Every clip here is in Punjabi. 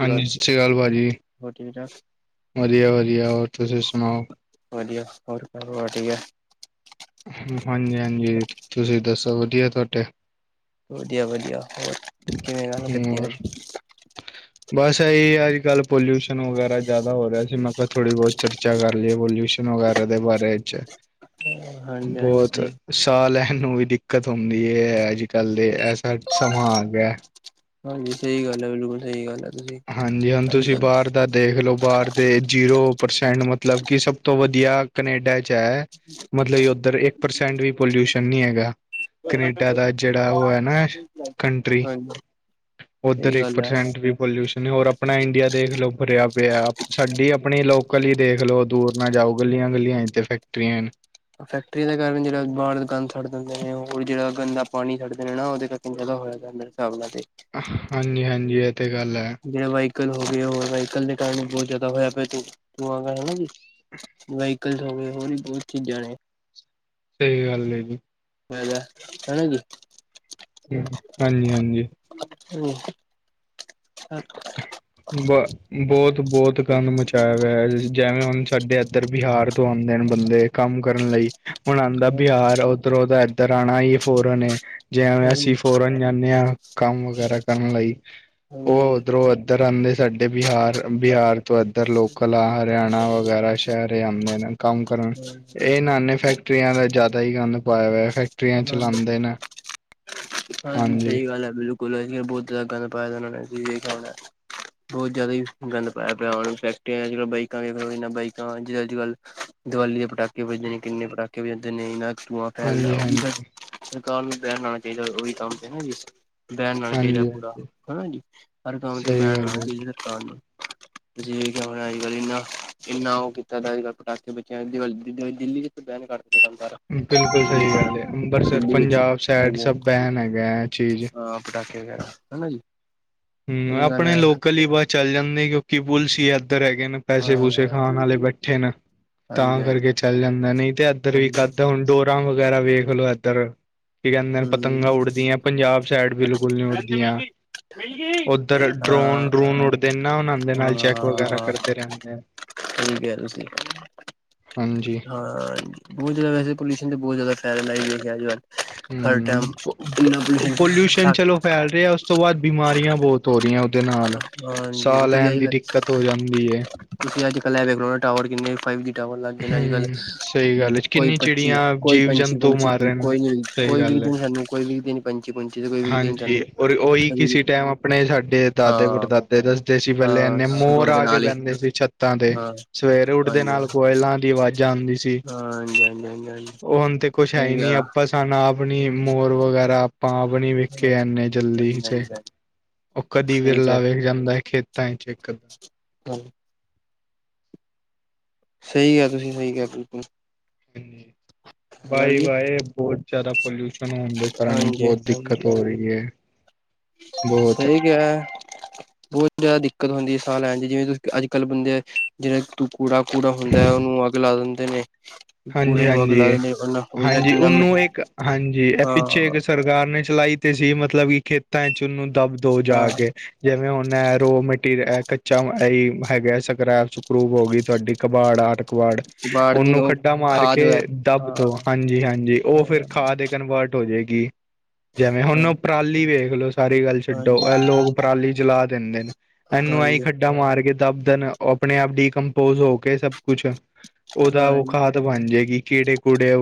ਹਾਂਜੀ, ਸਤਿ ਸ਼੍ਰੀ ਅਕਾਲ ਭਾਜੀ, ਹੋਰ ਠੀਕ ਠਾਕ ਵਧੀਆ, ਵਧੀਆ ਹੋਰ ਤੁਸੀਂ ਸੁਣਾਓ? ਵਧੀਆ, ਹੋਰ ਪਰਿਵਾਰ ਠੀਕ ਆ? ਹਾਂਜੀ, ਹਾਂਜੀ ਤੁਸੀਂ ਦੱਸੋ ਵਧੀਆ ਤੁਹਾਡੇ? ਵਧੀਆ, ਵਧੀਆ ਹੋਰ। ਕਿਵੇਂ ਗੱਲ ਹੂੰ ਕੀਤੀ ਹੋਰ? ਅੱਜ ਬਸ ਇਹੀ ਅੱਜ ਕੱਲ੍ਹ ਪੋਲਿਊਸ਼ਨ ਵਗੈਰਾ ਜ਼ਿਆਦਾ ਹੋ ਰਿਹਾ ਸੀ ਮੈਂ ਕਿਹਾ ਥੋੜ੍ਹੀ ਬਹੁਤ ਚਰਚਾ ਕਰ ਲਈਏ ਪੋਲਿਊਸ਼ਨ ਵਗੈਰਾ ਦੇ ਬਾਰੇ ਚ ਹਾਂਜੀ ਹਾਂਜੀ ਬਹੁਤ। ਸਹੀ ਸਾਹ ਲੈਣ ਨੂੰ ਵੀ ਦਿੱਕਤ ਹੁੰਦੀ ਹੈ ਅੱਜ ਕੱਲ੍ਹ ਦੇ ਐਸਾ ਸਮਾ ਆ ਗਿਆ ਹੈ। ਹਾਂਜੀ, ਸਹੀ ਗੱਲ ਹੈ, ਬਿਲਕੁਲ ਸਹੀ ਗੱਲ ਹੈ। ਤੁਸੀਂ ਹਾਂਜੀ, ਹੁਣ ਤੁਸੀਂ ਬਾਹਰ ਦਾ ਦੇਖ ਲੋ, ਬਾਹਰ ਦੇ ਜੀਰੋ ਪਰਸੈਂਟ ਮਤਲਬ ਕਿ ਸਭ ਤੋਂ ਵਧੀਆ ਕਨੇਡਾ ਚ ਹੈ ਤ ਮਤਲਬ ਉੱਧਰ ਇੱਕ ਪਰਸੈਂਟ ਵੀ ਪੋਲਿਊਸ਼ਨ ਨਹੀਂ ਹੈਗਾ। ਕਨੇਡਾ ਦਾ ਜਿਹੜਾ ਉਹ ਹੈ ਨਾ ਕੰਟਰੀ, ਉੱਧਰ ਸਹੀ ਇੱਕ ਗੱਲ ਹੈ ਪਰਸੈਂਟ ਵੀ ਪੋਲਿਊਸ਼ਨ ਔਰ ਆਪਣਾ ਇੰਡੀਆ ਦੇਖ ਲੋ ਭਰਿਆ ਪਿਆ ਸਾਡੀ ਆਪਣੀ ਲੋਕਲ ਹੀ ਦੇਖਲੋ ਦੂਰ ਮੈ ਜਾਓ ਗੱਲੀਆਂ ਗੱਲੀਆਂ ਇੱਥੇ ਫੈਕਟਰੀਆਂ ਨ। ਫੈਕਟਰੀਆਂ ਦੇ ਕਾਰਨ ਜਿਹੜਾ ਬਾਹਰ ਗੰਦ ਛੱਡ ਦਿੰਦੇ ਨੇ ਹੋਰ ਜਿਹੜਾ ਗੰਦਾ ਪਾਣੀ ਛਡਦੇ ਨੇ ਨਾ ਉਹਦੇ ਕਰ ਕੇ। ਦਾ ਹੋਇਆ ਜਾਂ ਮਰੇ ਹਿਸਾਬਲਾ ਤੇ [unintelligible] ਹਾਂਜੀ, ਹਾਂਜੀ ਇਹ ਤੇ ਗੱਲ ਹੈ। ਜਿਹੜੇ ਵਹੀਕਲ ਹੋ ਗਏ ਹੋਰ ਵਹੀਕਲ ਦੇ ਕਾਰਨ ਬਹੁਤ ਜ਼ਿਆਦਾ ਹੋਇਆ ਪਿਆ ਧੁ ਧੁੰਆ ਹੋਇਆ ਨਾ ਜੀ। ਵਹੀਕਲ ਹੋ ਗਏ ਹੋਰ ਵੀ ਬਹੁਤ ਚੀਜ਼ਾਂ ਨੇ। ਸਹੀ, ਗੱਲ ਹੈ। ਮ ਜਾ ਹੈਣਾ ਕਿ [unintelligible] ਹਾਂਜੀ, ਹਾਂਜੀ। [inaudible] [inaudible] ਬ ਬਹੁਤ, ਬਹੁਤ ਗੰਦ ਮਚਾਇਆ ਹੋਇਆ ਜਿਵੇਂ ਹੁਣ ਸਾਡੇ ਇੱਧਰ ਬਿਹਾਰ ਤੋਂ ਆਉਂਦੇ ਨੇ ਬੰਦੇ ਕੰਮ ਕਰਨ ਲਈ ਹੁਣ ਹਨਾ ਆਉਂਦਾ ਜੀ ਬਿਹਾਰ ਉੱਧਰੋਂ ਤਾਂ ਰਾਣਾ ਈ ਫੋਰਨ ਏ। ਜਿਵੇ ਅਸੀਂ ਹਾਂਜੀ ਫੋਰਨ ਜਾਂਦੇ ਹਾਂ ਕੰਮ ਵਗੈਰਾ ਕਰਨ ਲਈ ਉਹ ਓਧਰੋਂ ਇ ਧਰ ਆਉਂਦੇ ਸਾਡੇ ਬਿਹਾਰ, ਬਿਹਾਰ ਤੋਂ ਇੱਧਰ ਲੋਕਲ ਆ ਹਰਿਆਣਾ ਵਗੈਰਾ ਸ਼ਹਿਰ ਆਂਦੇ ਨੇ ਕੰਮ ਕਰਨ। ਇਹ ਨ ਨੇ ਫੈਕਟਰੀਆਂ ਦਾ ਜ਼ਿਆਦਾ ਹੀ ਗੰਦ ਪਾਇਆ ਹੋਇਆ ਫੈਕਟਰੀਆਂ ਚਲਾਉਦੇ ਨੇ ਹਾਂਜੀ ਸਹੀ ਗੱਲ ਹੈ ਬਿਲਕੁਲ ਅ ਬਹੁਤ ਜ਼ ਗੰਦ ਪਾਇਆ ਉਹਨਾਂ ਨੇ ਖਣਾ ਬਹੁਤ ਜ਼ਿਆਦਾ ਹੀ ਗੰਦ ਪਾਇਆ ਪਿਆ ਉਹਨਾਂ ਨੂੰ ਫੈਕਟਰੀਆਂ ਅੱਜ ਬਾਈਕਾਂ ਵੇਖੋ ਬਾਈਕਾਂ ਅੱਜ ਕ੍ਹ ਦੀਵਾਲੀ ਦੇ ਪਟਾਕੇ ਵਜਦੇ ਨੇ ਕਿੰਨੇ ਪਟਾਕੇ ਵਜ ਜਾਂਦੇ ਨੇ ਇਹਨਾਂ ਧੂੰਆਂ ਫੈਲਦਾ ਹਾਂਜੀ ਉਹ ਵੀ ਹਾਂਜੀ ਸਰਕਾਰ ਨੂੰ ਬੈਨ ਲਉਣਾ ਚਾਹੀਦਾ ਉਹੀ ਕੰਮ ਤੇ ਹੈ ਜ ਬੈਨ ਲਾਣਾ ਚਾਹੀਦਾ ਹਾਂਜੀ ਪੂਰਾ ਹਾਂਜੀ ਹਨਾ ਜੀ ਹਰ ਕੰਮ ਤੇ ਸਹੀ ਬੈਨ ਲਾਉਣਾ ਗੱਲ ਹੈ ਜੀ ਚਾਹੀਦਾ ਸਰਕਾਰ ਨੂੰ ਤੁਸੀਂ ਹੁਣਾ ਅੱਜ ਕੱਲ ਇੰਨਾ ਇੰਨਾ ਉਹ ਕੀਤਾ ਅੱਜ ਕੱਲ੍ਹ ਪਟਾਕੇੇ ਬਚੇ ਦਿੱਲੀ ਬੈਨ [unintelligible] ਬਿਲਕੁਲ ਸਹੀ ਖਾਣਾ ਗੱਲ ਹੈ ਅੰਬਰਿਤਸਰ ਦਿੱਲੀ ਵਿੱਚ ਪੰਜਾਬ ਸਾਈਡ ਸਭ ਬੈਨ ਹੈਗਾ ਐ ਚੀਜ਼ ਪਟਾਕਿਆ ਗਿਆ, ਹਨਾ ਜੀ ਹੂੰ ਸਹੀ ਗੱਲ ਹੈ ਆਪਣੇ ਲੋਕਲ ਹੀ ਬਸ ਚੱਲ ਜਾਂਦੇ ਕਿਉਂਕਿ ਪੁਲਿਸ ਹੀ ਇੱਧਰ ਹੈਗੇ ਨੇ ਹਾਂ ਪੈਸੇ ਪੂਸੇ ਖਾਣ ਆਲੇ ਹਾਂਜੀ ਬੈਠੇ ਨੇ ਤਾਂ ਹਾਂਜੀ ਕਰਕੇ ਚੱਲ ਜਾਂਦਾ ਨਈ ਤੇ ਇੱਧਰ ਵੀ ਹਾਂਜੀ ਹੁਣ ਡੋਰ [unintelligible] ਵਗੈਰਾ ਵੇਖ ਲੋ ਇੱਧਰ ਕੀ ਕਹਿੰਦੇ ਨੇ ਪਤੰਗਾਂ ਉੱਡਦੀਆਂ ਪੰਜਾਬ ਸੈਡ ਬਿਲਕੁਲ ਨੀ ਉੱਡਦੀਆਂ ਹਾਂ-ਹਾਂ। ਉੱਧਰ ਡਰੋਨ ਡਰੂਨ ਉੱਡਦੇ ਨਾ ਉਹਨਾਂ ਦੇ ਨਾਲ ਚੈੱਕ ਵਗੈਰਾ ਕਰਦੇ ਰਹਿੰਦੇ ਆ ਹਾਂਜੀ ਹਾਂਜੀ ਹਾਂਜੀ ਹਾਂ ਬਹੁਤ ਜ਼ਿਆਦਾ ਵੈਸੇ ਪੋਲਿਊਸ਼ਨ ਤੇ ਬਹੁਤ ਜ਼ਿਆਦਾ ਫੈਲ ਅੱਜ ਕੱਲ ਹਰ ਟਾਈਮ ਇਨਾ ਤੁ ਹੂੰ ਤੇ ਉਸ ਤੋਂ ਬਾਅਦ ਬਿਮਾਰੀਆਂ ਬਹੁਤ ਤੋਰੀਆਂ ਉਹਦੇ ਨਾਲ ਹਾਂਜੀ ਸਾਹ ਤੁਸੀਂ ਲੈਣ ਅੱਜ ਦੀ ਕੱਲ ਦਿੱਕਤ ਹੋ ਜਾਂਦੀ ਤੁਸੀਂ ਅੱ ਕੱਲਖੋ ਟਾਵਰ ਕਿੰਨੇ ਫਾਈਵ ਜੀ ਰ ਲੱਗ ਗਏ ਨੇ ਅੱਜਕੱਲ ਹੂੰ, ਸਹੀ ਗੱਲ ਹੈ ਕੋਈ ਕਿੰਨੀ ਪੰਛੀ ਚਿੜੀਆਂ ਕੋਈ ਜੀਵ ਪੰਛੀ ਜੰਤੂ ਪੰਛੀ ਮਾਰ ਰਹੇ ਨੇ। ਕੋਈ ਨ ਸਹੀ ਕੋਈ ਵੀ ਗੱਲ ਹੈ। ਦਿਨ ਸਾਨੂੰ ਕੋਈ ਵੀ ਦਿਨ ਪੰਚੀ ਪੰਚੀ ਹਾਂਜੀ ਔਰ ਉਈ ਕਿਸੀ ਟਾਈਮ ਆਪਣੇ ਸਾਡੇ ਦਾਦੇ ਹਾਂ ਪਟਦਾਦੇ ਦੱਸਦੇ ਸੀ ਪਹਿਲੇ ਇੰਨੇ ਹਾਂ ਮੋਰ ਰੋਡ ਦੇ ਆ ਕੇ ਨਾਲ ਹੀ ਬਹਿੰਦੇ ਸੀ ਛੱਤਾਂ ਦੇ ਹਾਂ ਸਵੇਰੇ ਉੱਠਦੇ ਹਾਂਜੀ ਨਾਲ ਕੋਇਲਾਂ ਦੀ ਆਵਾਜ਼ਾਂ ਆਉਂਦੀ ਸੀ, ਹਾਂਜੀ ਹਾਂਜੀ ਹਾਂਜੀ ਹਾਂਜੀ ਉਹ ਹੁਣ ਤੇ ਕੁਛ ਹੈ ਹੀ ਸਹੀ ਆ ਨਹੀਂ ਆਪਸ ਖਾਨਾ ਆਪਣੀ ਮੋਰ ਵਗੈਰਾ ਆਪਾਂ ਆਪ ਨੀ ਵੇਖੇ ਐਨੇ ਜਲਦੀੇ ਹਾਂਜੀ ਹਾਂਜੀ ਉਹ ਕਦੀ ਸਹੀ ਵਿਰਲਾ ਕਿਹਾ ਵੇਖ ਜਾਂਦਾ ਐ। ਖੇਤਾਂ ਚ ਇੱਕ ਹਾਂ ਸਹੀ ਕਿਆ ਤੁਸੀਂ ਸਹੀ ਕਿਆ ਬਿਲਕੁਲ ਹੂੰ, ਹੈਨਾ ਜੀ ਬਾਏ-ਬਾਏ ਬਹੁਤ ਜ਼ਿਆਦਾ ਪੋਲਿਊਸ਼ਨ ਹੋਣ ਦੇ ਕਾਰਨ ਹਾਂਜੀ ਬਹੁਤ ਦਿੱਕਤ ਹਾਂਜੀ ਹੋ ਰਹੀ ਹੈ, ਬਹੁਤ ਗ ਬਹੁਤ ਜ਼ਿਆਦਾ ਦਿੱਕਤ ਹੁੰਦੀ ਹੈ ਸਾਹ ਲੈਣ ਜਿਵੇਂ ਤੁਸੀਂ ਅੱਜ ਕੱਲ੍ਹ ਬੰਦੇ ਜਿਹੜੇ ਤੂੰ ਕੂੜਾ -ਕੂੜਾ ਹੁੰਦਾ, ਉਹਨੂੰ ਅੱਗ ਲਾ ਦਿੰਦੇ ਨੇ ਹਾਂਜੀ ਕੂੜੇ ਨੂੰ ਅੱਗ ਲਾ ਹਾਂਜੀ ਦਿੰਦੇ ਉਹਦੇ ਨਾਲ ਹਾਂਜੀ ਕਿੰਨਾ ਉਹਨੂੰ ਮਿੱਠਾ ਇੱਕ ਹਾਂਜੀ ਇਹ ਪਿੱਛੇ ਇੱਕ ਹਾਂ ਸਰਕਾਰ ਨੇ ਚਲਾਈ ਤੇ ਸੀ ਮਤਲਬ ਕਿ ਖੇਤਾਂ ਚ ਉਹਨੂੰ ਦੱਬ ਤੋ ਜਾ ਹਾਂ ਕੇ ਜਿਵੇਂ ਹੁਣ ਹੈ ਰੋ ਮਟੀਰੀਅਲ ਕੱਚਾ ਹੈਗਾ ਸਕਰੈਬ ਸਕਰੂਬ ਹੋ ਗਈ ਤੁਹਾਡੀ ਕਬਾੜ ਆਟ ੜ ਬਾੜਨੀ ਉਹਨੂੰ ਉਹ ਖੱਡਾ ਮਾਰ ਖਾਦ ਕੇ ਵ ਦੱਬ ਹਾਂ ਤੋਂ ਹਾਂਜੀ ਹਾਂਜੀ ਉਹ ਹਾਂ ਫਿਰ ਖਾ ਕਨਵਰਟ ਹੋ ਜਾਏਗੀ। ਜਿਵੇਂ ਹੁਣ ਓ ਪਰਾਲੀ ਵੇਖ ਲਓ ਸਾਰੀ ਗੱਲ ਛੱਡੋ ਹਾਂਜੀ ਇਹ ਲੋਕ ਪਰਾਲੀ ਜਲਾ ਦਿੰਦੇ ਨੇ ਇਹਨੂੰ ਆਹੀ ਹਾਂਜੀ ਖੱਡ ਟਾ ਮਾਰ ਕੇ ਦਬਦਣ ਆਪਣੇ ਆਪ ਡੀਕਪੋਜ ਹੋ ਕੇ ਸਭ ਕੁਛ ਉਹਦਾ ਹਾਂਜੀ ਖਾਦ ਬਣ ਜਾਏਗੀ, ਕੀੜੇ ਕੂੜੇ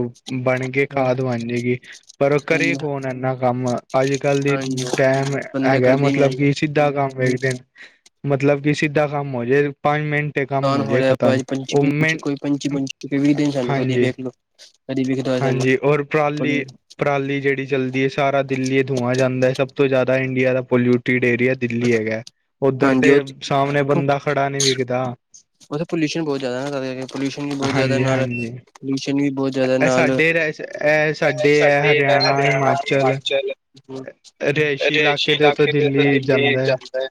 ਬਣ ਕੇ ਹਾਂ ਖਾਦ ਬਣ ਜਾਏਗੀ ਪਰ ਸਹੀ ਕਰੇ ਕੌਣ ਇੰਨਾ ਕੰਮ, ਅੱਜ -ਕੱਲ ਦੀ ਹਾਂਜੀ ਟਾਈਮ ਬੰਦੇ ਹੈਗਾ ਕਰਦੇ ਨੀ ਅੱਜ ਮਤਲਬ ਕੱਲ ਕਿ ਸਿੱਧਾ ਕੰਮ ਵੇਖਦੇ ਨੇ, ਮਤਲਬ ਕਿ ਸਿੱਧਾ ਕੰਮ ਹੋ ਜੇ। ਪੰਜ ਮਿੰਟੇ ਕੰਮ ਹੋ ਜੇ ਇਕਦਮ, ਉਹ ਮ ਪੰਚੀ ਪੰ ਵਿਖਦੇ ਸਾਨੂੰ ਕਦੀ ਵਿੇਖਲ ਕਦੀ ਵਿਖਦਾ ਹੋ ਸਾਨੂੰ ਹਾਂਜੀ ਔਰ ਪਰਾਲੀ ਪਰਾਲੀ ਜਿਹੜੀ ਚੱਲਦੀ ਹੈ ਸਾਰਾ ਦਿੱਲੀ ਧੂੰਆਂ ਜਾਂਦਾ ਸਭ ਤੋਂ ਜ਼ਿਆਦਾ ਇੰਡੀਆ ਦਾ ਪੋਲਿਊਟ ਏਰੀਆ ਦਿੱਲੀ ਹੈਗਾ ਓਦਰ ਤੇ ਸਾਹਮਣੇ ਬੰਦਾ ਖੜਾ ਨੀ ਵਿਖਦਾ। ਉੱਥੇ ਪੋਲਿਊਸ਼ਨ ਬਹੁਤ ਜ਼ਿਆਦਾ ਨਾ ਪੋਲਿਊਸ਼ਨ ਵੀ ਬਹੁਤ ਜ਼ਿਆਦਾ ਹਾਂਜੀ ਨਾਲ ਹਾਂਜੀ ਪੋਲਿਊਸ਼ਨ ਵੀ ਬਹੁਤ ਜਿਹਦੇ ਇਹ ਨਾਲ ਸਾਡੇ ਰਹਿ ਇਹ ਸਾਡੇ ਹੈ ਹਰਿਆਣਾ ਹਿਮਾਚਲ ਰਿਹਾਇਸ਼ੀ ਅਰੇ ਇਲਾਕੇ ਏਸੀ ਦੇ ਲਗ ਤੋਂ ਕੇ ਦਿੱਲੀ ਤੇੇ ਜਾਂਦਾ ਹੈ ਜਮਦਾ ਏ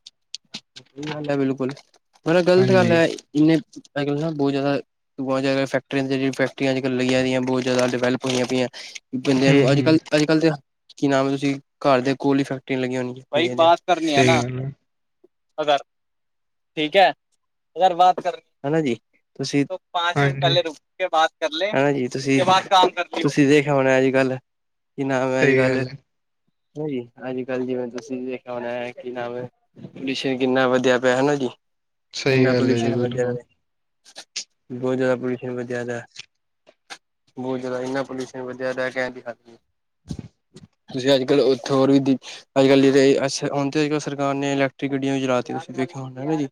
ਹੀ ਹਲ ਹੈ ਬਿਲਕੁਲ, ਮਤਲਬ ਗ਼ਲਤ ਗੱਲ ਹਾਂਜੀ ਹੈ ਇਨੇ ਅੱ ਨਾ ਬਹੁਤ ਜ਼ਿਆਦਾ ਫੈਕਰੀਆਂ ਹ ਫੈਕਰੀਆਂ ਅੱਜ ਕੱਲ ਲਈਆਂ ਬਹੁਤ ਜ਼ਿਆਦਾ ਡਿਵੈਲਪ ਹੋਈਆਂ ਪਈਆਂ, ਬੰਦਿਆਂ ਹੂੰ ਨੂੰ ਅੱਜ ਹੂੰ -ਕੱਲ੍ਹ ਅੱਜ ਕਲ ਤੇ ਕੀ ਨਾਮ ਤੁਸੀਂ ਘਰ ਦੇ ਕੋਲ ਹੀ ਫੈਕਟਰੀਆਂ ਲਗੀਆਂ ਹੋਣ ਸਹੀ ਗੱਲ ਅਗਰ ਠੀਕ ਐ। ਅਗਰ ਬਾਤ ਕਰਨੀ ਹਨਾ ਜੀ। ਤੁਸੀਂ ਪੰਜ ਮਿੰਟ ਹਾਂਜੀ ਪਹਿਲੇ ਰੁਕ ਕੇ ਬਾਤ ਕਰ ਲਏ, ਉਸ ਕੇ ਬਾਅਦ ਬਾਤ ਕਰ ਲਿਓ ਕੀ ਨਾਮ ਅੱਜ ਸਹੀ ਕੱਲ ਗੱਲ ਹੈ ਅੱਜ ਕੱਲ ਜਿਵੇਂ ਤੁਸੀਂ ਦੇਖਿਆ ਹੋਣਾ ਹੈ ਕਿ ਨਾਮ ਪੋਲਿਊਸ਼ਨ ਕਿੰਨਾ ਵਧਿਆ ਪਿਆ। ਹਨਾ ਜੀ ਸਹੀ ਕਿੰਨਾ ਗੱਲ ਹੈ ਜੀ ਪੋਲਿਊਸ਼ਨ ਵਧਿਆ ਬਿਲਕੁਲ ਬਹੁਤਿਆਦਾ ਪੋਲਊਸ਼ਨ ਬਹੁਤ ਜ਼ਿਆਦਾ ਬੂਝਦਾ ਐਨਾ ਪੋਲਿਊਸ਼ਨ ਵਧਿਆ ਕਹਿਣ ਦੀ ਹੱਦ ਨਹੀਂ ਤੁਸੀਂ ਅੱਜ -ਕੱਲ੍ਹ ਉੱਥੇ ਹੋਰ ਵੀ, ਅੱਜ -ਕੱਲ੍ਹ ਰਹੇ ਹੁਣ ਅੱਜ -ਕੱਲ ਸਰਕਾਰ ਨੇ ਇਲੈਕ ਗੱ ਵੀ ਚਲਾ ਤੁਸੀਂ ਵਖਿਆ ਹਾ ਜੀ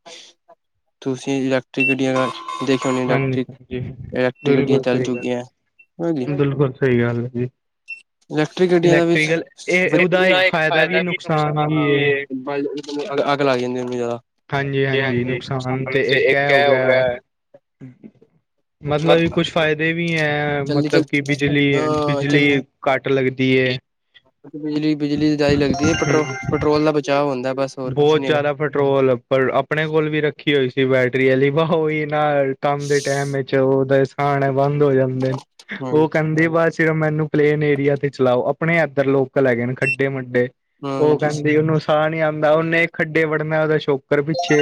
ਤੁਸੀਂ ਇਲੈਕਟ੍ਰਿਕ ਗੱਡੀਆਂ ਹਾਂਜੀ ਹਾਂਜੀ ਇਲੈਕਟ੍ਰਕ-ਇਲੈਕਟ੍ਰਿਕ ਗੱਡੀਆਂ ਬਿਲਕੁਲ ਚੱਲ ਸਹੀ ਗੱਲ ਚੁੱਕੀਆਂ ਹੈ। ਬਿਲਕੁਲ ਸਹੀ ਗੱਲ ਹੈ ਜੀ। ਇਲੈਕਟ੍ਰਿਕ ਗੱਡੀਆਂ ਦਾ ਵਿੱਚ ਇਲੈਕਟ੍ਰੀਕਲ ਇਹ ਉਹਦਾ ਇੱਕ ਫਾਇਦਾ ਵੀ ਨੁਕਸਾਨ ਵੀ ਹੈ ਏ ਅੱਗ ਲੱਗ ਜਾਂਦੀ ਉਹਨੂੰ ਜ਼ਿਆਦਾ ਹਾਂਜੀ ਹਾਂਜੀ ਨੁਕਸਾਨ ਤੇ ਇੱਕ ਹੈ ਹੋ ਗਿਆ ਮਤਲਬ ਵੀ ਕੁਛ ਫ਼ਾਇਦੇ ਵੀ ਹੈ। ਜਲਦੀ ਚ ਮਤਲਬ ਕਿ ਅ ਬਿਜਲੀ-ਬਿਜਲੀ ਜਲਦੀ ਘੱਟ ਲੱਗਦੀ ਐ ਬਿਜਲੀ ਬਿਜਲੀ ਦਾਈ ਲੱਗਦੀ ਐ ਪੈਟਰੋ ਹੂੰ ਪੈਟਰੋਲ ਦਾ ਬਚਾਅ ਹੁੰਦਾ ਬਸ ਹੋਰ ਕੁਛ ਬਹੁਤ ਨੀ ਹੈਗਾ। ਜਿਆਦਾ ਪੈਟਰੋਲਪ ਆਪਣੇ ਕੋਲ ਵੀ ਰੱਖੀ ਹੋਈ ਸੀ ਬੈਟਰੀ ਵਾਲ ਵਾਹ ਹੋ ਹੀ ਕੰਮ ਦੇ ਟਾਈਮ ਵਿੱਚ ਉਹਦਾ ਸਾਹ ਆਉਣਾ ਬੰਦ ਹੋ ਜਾਂਦੇ ਨੇ, ਹਾਂ ਉਹ ਕਹਿੰਦੇ ਬਸ। ਜਿਰ ਮੈਨੂੰ ਪਲੇਨ ਏਰੀਆ ਤੇ ਚਲਾਓ। ਆਪਣੇ ਇੱਧਰ ਲੋਕਲ ਹੈਗੇ ਨੇ ਖੱਡੇ-ਮੱਡੇ ਉਹ ਹਾਂਜੀ। ਕਹਿੰਦੀ ਉਹਨੂੰ ਸਾਹ ਨੀ ਆਉਂਦਾ ਉਹਨੇ ਖੱਡੇ ਵੜਨਾ ਉਹਦਾ ਛੋਕਰ ਪਿੱਛੇ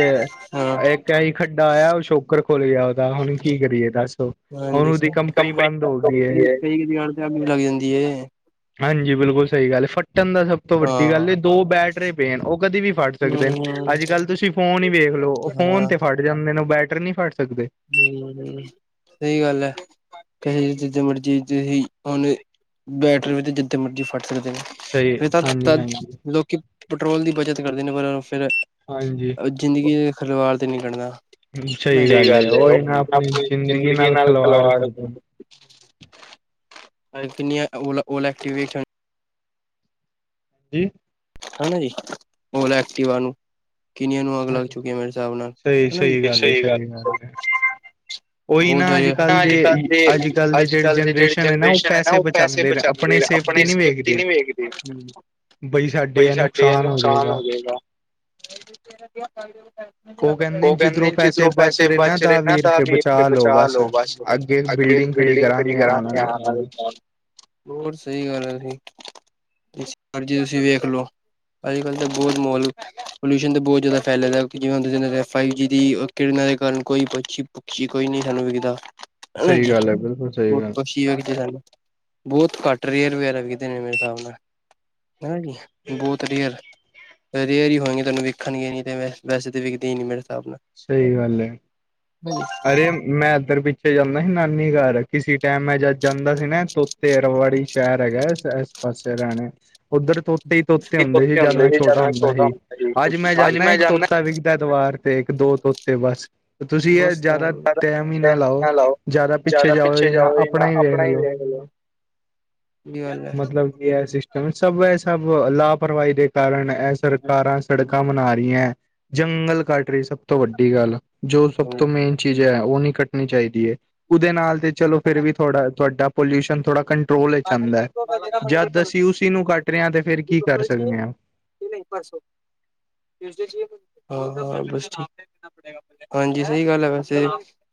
ਹਾਂ ਏ ਇੱਕ ਅਸੀ ਖੱਡਾ ਆਇਆ ਉਹ ਛੋਕਰ ਖੋਲ੍ਹ ਗਿਆ ਉਹਦਾ ਹੁਣ ਕੀ ਕਰੀਏ ਦੱਸੋ ਹਾਂਜੀ ਸਰ ਕੰਪਨੀ [inaudible] ਅੱਗੇ ਲੱਗ ਜਾਂਦੀ। ਹਾਂਜੀ, ਬਿਲਕੁਲ ਸਹੀ ਗੱਲ ਫੱਟਣ ਦਾ ਸਭ ਤੋਂ ਵੱਡੀ ਹਾਂ ਗੱਲ ਦੋ ਬੈਟਰੇ ਪਏ। ਕਦੇ ਵੀ ਫੜਟ ਹੂੰ ਸਕਦੇ ਨੇ ਹਾਂ ਅੱਜ ਕੱਲ ਤੁਸੀਂ ਫੋਨ ਹੀ ਵੇਖ ਲੋ ਹੂੰ ਫੋਨ ਤੇ ਫਟ ਜਾਂਦੇ ਨੇ ਬੈਟਰੀ ਨਹੀਂ ਫੜ ਸਕਦੇ ਹੂੰ ਸਹੀ ਗੱਲ ਐ ਕੇ ਜਿੱਦਾਂ ਮਰਜੀ ਤੁ ਹੁਣ ਬੈਟਰੀ ਵਿੱਚ ਜਿੱਦੇ ਮਰਜੀ ਫਟ ਸਕਦੇ ਨੇ ਸਹੀ ਫਿਰ ਹਾਂਜੀ ਤਾਂ ਹਾਂਜੀ ਲੋਕੀ ਪੈਟਰੋਲ ਦੀ ਬੱਚਤ ਕਰਦੇ ਨੇ ਪਰ ਫੇਰ ਹਾਂਜੀ। ਜ਼ਿੰਦਗੀ ਦੇ ਖਿਲਵਾੜ ਤੇ ਨਹੀਂ ਕੱਢਦਾ ਸਹੀ ਗੱਲ ਹੈ ਉਹ ਇਹ ਨਾ ਆਪਣੀ ਜ਼ਿੰਦਗੀ ਨਾਲ ਖਿਲਵਾੜ ਕਰਦੇ [unintelligible] ਜੀ ਹਨਾ ਜੀ, ਓਲ ਐਕਟਿਵਾ ਨੂੰ ਕਿੰਨੀਆਂ ਨੂੰ ਅੱਗ ਲੱਗ ਹਾਂਜੀ ਚੁੱਕ ਮੇਰੇ ਹਿਸਾਬ ਨਾਲ ਹਨਾ ਜੀ ਸਹੀ ਗੱਲ ਉਹੀ ਨਾ ਬਹੁਤ ਅੱਜ ਵਧੀਆ ਕੱਲ੍ਹ ਦੇ ਅੱਜ ਕੱਲ੍ਹ ਦੇ ਜਿਹੜੀ ਜਨਰੇਸ਼ਨ ਹੈ ਨਾ ਉਹ ਪੈਸੇ ਬਚਾਉਂਦੇ ਨੇ ਆਪਣੇ ਨਹੀਂ ਸੇਫਟੀ ਵੇਖਦੇ ਨਹੀ ਵੇਖਦੀ ਕੋਈ ਸਾਡੇ ਨੁਕਸਾਨ ਹੋ ਜਾਏਗਾ ਉਹ ਕਹਿੰਦੇ ਜਿੱਧਰੋਂ ਪੈਸੇ ਬਚ ਰਹੇ ਨਾ ਤਾਂ ਵੀ ਬਚਾ ਲੋੋ ਬਸ। ਅੱਗੇ ਬਿਲਡਿੰਗ ਖੜੀ ਕਰਾਂਗੇ ਆਣ ਵਾਲੇ ਟੈਮ ਚ। ਹੋਰ ਸਹੀ ਗੱਲ ਹੈ ਜੀ, ਹਾਂਜੀ ਤੁਸੀਂ ਵੇਖ ਲੋ ਅੱਜ ਕੱਲ੍ਹ ਤਾਂ ਬਹੁਤ ਮਾਹੌਲ, ਪੋਲਿਊਸ਼ਨ ਤਾਂ ਬਹੁਤ ਜ਼ਿਆਦਾ ਫੈਲੇ ਦਾ ਜਿਵੇਂ ਹ ਫਾਈਵ ਜੀ ਦੀ ਕਿਰਨਾਂ ਦੇ ਕਾਰਨ ਕੋਈ ਪੁਛੀ ਪੁਛੀ ਕੋਈ ਨਹੀਂ ਸਾਨੂੰ ਵਿਕਦਾ। ਹਨਾ ਸਹੀ ਜੀ ਗੱਲ ਹੈ ਬਿਲਕੁਲ ਸਹੀ ਗੱਲ ਬਸੀ ਹੋ ਕਿਤੇ ਸਾਨੂੰ ਬਹੁਤ ਘੱਟ ਰੇਅਰ ਵਗੈਰਾ ਵੀ ਦੇਣੇ ਮੇਰੇ ਹਿਸਾਬ ਨਾਲ ਹਨਾ ਜੀ। ਬਹੁਤ ਰੇਅਰ ਐ। ਰੇਅਰ ਹੀ ਹੋਣਗੀ ਤੈਨੂੰ ਵੇਖਣਗੇ ਨੀ ਤੇ ਵੈਸੇ ਤਾਂ ਵਿਖਦੀ ਹੀ ਨੀ ਮੇਰੇ ਹਿਸਾਬ ਨਾਲ। ਸਹੀ ਗੱਲ ਏ। [unintelligible] ਅਰੇ ਮੈਂ ਇੱਧਰ ਪਿੱਛੇ ਜਾਂਦਾ ਸੀ ਨਾਨੀ ਘਰ ਕਿਸੇ ਟਾਈਮ ਮੈਂ ਜਦ ਜਾਂਦਾ ਸੀ ਨਾ ਤੇਰਵਾੜੀ ਸ਼ਹਿਰ ਹੈਗਾ ਆਸ ਪਾਸੇ ਹਰਿਆਣੇ। ਉੱਧਰ ਤੋਤੇ ਹੀ ਤੋਤੇ ਹੁੰਦੇ ਸੀ ਜਦ ਮੈਂ ਛੋਟਾ ਹੁੰਦਾ ਹੀ। ਅੱਜ ਮੈਂ ਜਾਣਾ ਇੱਕ ਤੋਤਾ ਵਿਕਦਾ ਦਵਾਰ ਤੇ ਇੱਕ ਦੋ ਤੋਤੇ ਬਸ ਤੁਸੀਂ ਇਹ ਬਸ ਤਾਂ ਜ਼ਿਆਦਾ ਟੈਮ ਹੀ ਨਾ ਲਾਓ ਜ਼ਿਆਦਾ ਪਿੱਛੇ ਜਾਓ ਹੀ ਨਾ ਆਪਣਾ ਹੀ ਵੇਖ ਲਓ। [inaudible] ਸਹੀ ਗੱਲ ਐ। ਐ ਸਿਸਟਮ ਸਭ ਇਹ ਸਭ ਲਾਪਰਵਾਹੀ ਦੇ ਕਾਰਨ ਇਹ ਸਰਕਾਰਾਂ ਸੜਕ ਬਨਾ ਰਹੀ ਹੈ ਜੰਗਲ ਕੱਟ ਰਹੀ ਸਭ ਤੋਂ ਵੱਡੀ ਗੱਲ ਜੋ ਸਭ ਤੋਂ ਮੇਨ ਚੀਜ਼ ਹੈ ਉਹ ਨਹੀਂ ਕੱਟਣੀ ਚਾਹੀਦੀ ਹੈ ਉਹਦੇ ਨਾਲ ਤੇ ਚਲੋ ਫਿਰ ਵੀ ਥੋੜਾ ਤੁਹਾਡਾ ਪੋਲਿਊਸ਼ਨ ਥੋੜਾ ਕੰਟਰੋਲ ਚ ਆਦਾ ਹੈ ਬਾਜੀ ਮੰਡੀ ਜਦ ਅਸੀਂ ਉਸ ਨੂੰ ਕੱਟ ਰਹੇ ਹਾਂ ਤੇ ਫੇਰ ਕੀ ਕਰ ਸਕਦੇ ਹਾਂ। [unintelligible] ਹਾਂ ਹਾਂ ਬਸ ਠੀਕ। ਹਾਂਜੀ ਸਹੀ ਗੱਲ ਹੈ ਵੈਸੇ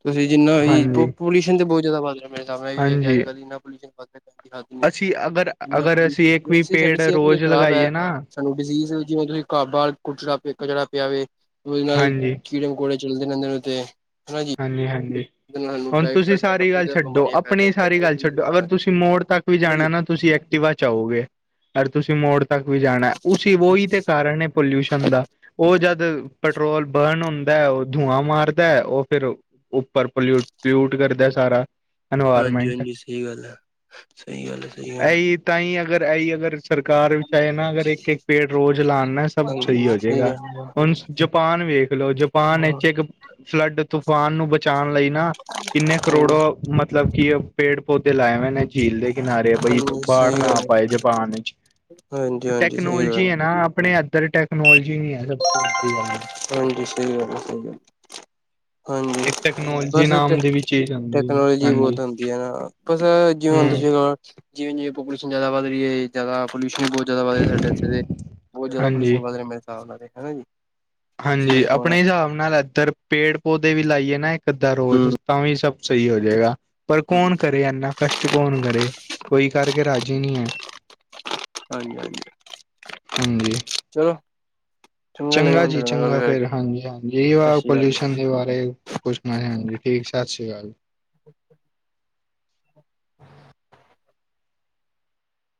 ਤੁਸੀਂ ਜਿੰਨਾ ਵੀ ਹਾਂਜੀ ਪੋਲਿਊਸ਼ਨ ਤੇ ਬਹੁਤ ਜ਼ਿਆਦਾ ਵੱਧ ਰਿਹਾ ਮੇਰੇ ਸਾਬ ਵੀ ਵੇਖ ਰਿਹਾ ਹਾਂਜੀ ਅੱਜਕਲ ਇੰਨਾ ਪੋਲਊਸ਼ਨ ਵੱਧਦਾ ਜਾਂਦੀ। ਹੂੰ ਅਸੀਂ ਅਗਰ ਅਗਰ ਮਤਲਬ ਅਸੀਂ ਇੱਕ ਵੈਸੇ ਵੀ ਸਾਡੀ ਪੇੜ ਸਿਹਤ ਲਈ ਰੋਜ਼ ਖ਼ਰਾਬ ਹੈ ਲਗਾਈਏ ਨਾ ਸਾਨੂੰ ਡਿਜ਼ਜ਼ ਜਿਵੇਂ ਤੁਸੀਂ [unintelligible] ਕੁਚੜ ਪ ਕਚੜਾ ਪਿਆਵੇ ਉਹਦੇ ਨਾਲ ਹਾਂਜੀ ਕੀੜੇ ਮਕੌੜੇ ਚੱਲਦੇ ਨੇ ਉੱਤੇ। ਹਾਂਜੀ ਹਾਂਜੀ ਹੁਣ ਤੁਸੀਂ ਵਗੈਰਾ ਸਾਰੀ ਬਹੁਤ ਗੱਲ ਜ਼ਿਆਦਾ ਛੱਡੋ ਬਿਮਾਰੀਆਂ ਫੈਲ ਆਪਣੀ ਸਾਰੀ ਜਾਂਦੀਆਂ ਗੱਲ ਤੁਸੀਂ ਛੱਡੋ ਅਗਰ ਹਨਾ ਤੁਸੀਂ ਮੋੜ ਤੱਕ ਵੀ ਜੀ ਜਾਣਾ ਨਾ ਤੁਸੀਂ ਐਕਟਿਵਾ ਚਾਹੋਗੇ ਯ ਤੁਸੀਂ ਮੋੜ ਤੱਕ ਵੀ ਜਾਣਾ ਉਸ ਉਹੀ ਤੇ ਕਾਰਨ ਐ। ਪੋਲਊਸ਼ਨ ਦਾ ਉਹ ਜਦ ਪੈਟਰੋਲ ਬਰਨ ਹੁੰਦਾ ਉਹ ਧੂੰਆਂ ਮਾਰਦਾ ਉਹ ਫਿਰ ਉੱਪਰ ਪਲਿਊ ਪਲਿਊਟ ਕਰਦਾ ਸਾਰਾ। ਹਾਂਜੀ ਇਨਵਾਇਰਮੈਂਟ ਹਾਂਜੀ ਸਹੀ ਗੱਲ ਹੈ ਸਹੀ ਗੱਲ ਹੈ ਸਹੀ ਗੱਲ। ਇਹੀ ਤਾਂ ਹੀ ਅਗਰ ਐ ਈ ਅਗਰ ਸਰਕਾਰ ਵੀ ਚਾਹੇ ਨਾ ਅਗਰ ਇੱਕ ਇੱਕ ਪੇੜ ਰੋਜ਼ ਲਾਉਨਾ ਸਭ ਹਾਂਜੀ ਸਹੀ ਹੋ ਜਾਏਗਾ। ਗੱਲ ਹੁਣ ਜਪਾਨ ਵੇਖ ਲੋ ਜਪਾਨ ਇਥੇ ਹੈ ਕ ਫਲੱਡ ਤੂਫਾਨ ਨੂੰ ਬਚਾਉਣ ਲਈ ਨਾ ਕਿੰਨੇ ਕਰੋੜੋ ਮਤਲਬ ਕਿ ਪੇੜ ਪੌਦੇ ਲਾਏ ਹੋਏ ਨੇ। ਝੀਲ ਦੇ ਕਿਨਾਰੇ ਆ ਬਈ ਬਾੜ ਸਹੀ ਨਾ ਗੱਲ ਪਾਏ ਜਾਪਾਨ ਵਿੱਚ। ਹਾਂਜੀ-ਹਾਂਜੀ ਸਹੀ ਟੈਕਨੋਲੋਜੀ ਗੱਲ ਹੈ ਨਾ ਆਪਣੇ ਇਧਰ ਟੈਕਨੋਲੋਜੀ ਨਾ ਹੈ ਸਭ ਤੋਂ ਵੱਡੀ ਗੱਲ। ਹਾਂਜੀ ਸਹੀ ਗਲ ਐ। ਸਹੀ ਗੱਲ। [inaudible] ਹਾਂਜੀ ਇੱਕ ਟੈਕਨੋਲੋਜੀ ਬਸ ਟੈ ਨਾਮ ਦੀ ਵੀ ਚੀਜ਼ ਆਉਂਦੀ ਹੈ ਟੈਕਨੋਲੋਜੀ ਹਾਂਜੀ ਬਹੁਤ ਹੁੰਦੀ ਹੈ ਨਾ। ਬਸ ਜਿਵੇਂ ਹੁਣ ਹਮ ਤੁਸੀਂ ਜਿਵੇ ਜਿਵੇ ਪੂਲੇਸ਼ਨ ਜ਼ਿਆਦਾ ਵੱਧ ਰਹੀ ਹੈ ਜ਼ਿਆਦਾ ਪੋਲਿਊਸ਼ਨ ਜਿਆਦਾ ਵਧ ਰਿਹਾ ਸਾਡੇ ਇੱਥੇ ਤੇ ਬਹੁਤ ਜ਼ਿਆਦਾ ਹਾਂਜੀ ਪੋਲਿਊਸ਼ਨ ਵਧ ਰਿਹਾ ਮੇਰੇ ਹਿਸਾਬ ਨਾਲ ਹਨਾ ਜੀ। ਤੁਸੀਂ ਹਾਂਜੀ ਵੇਖਿਆ ਹੋਣਾ ਆਪਣੇ ਹਿਸਾਬ ਨਾਲ ਇੱਧਰ ਪੇੜ ਪੌਦੇ ਵੀ ਲਾਈਏ ਨਾ ਇੱਕ ਅੱਧਾ ਹੂੰ ਰੋਜ਼ ਤਾਂ ਵੀ ਸਭ ਸਹੀ ਹੋ ਜਾਏਗਾ ਪਰ ਹੂੰ ਕੌਣ ਕਰੇ ਇਨਾ ਕਸ਼ਟ ਕੌਣ ਕਰੇ ਕੋਈ ਕਰਕੇ ਰਾਜ਼ੀ ਨਹੀਂ ਹੈ। ਹਾਂਜੀ ਹਾਂਜੀ ਹਾਂਜੀ ਚਲੋ। ਲੱਗਿਆ ਚੰਗਾ ਮੈਨੂੰ ਜੀ ਤੁਹਾਡੇ ਨਾਲ ਚੰਗਾ ਗੱਲ ਫਿਰ ਕਰਕੇ ਹਾਂਜੀ ਹਾਂਜੀ ਸਤਿ ਸ਼੍ਰੀ ਅਕਾਲ ਜੀ। ਪੋਲਿਊਸ਼ਨ ਦੇ ਬਾਰੇ ਪੁਛਣਾ ਹਾਂਜੀ ਠੀਕ ਸਤਿ ਸ਼੍ਰੀ ਅਕਾਲ ਜੀ। [inaudible] [inaudible]